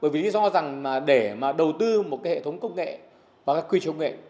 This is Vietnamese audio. vì do rằng để đầu tư một hệ thống công nghệ và quy trình công nghệ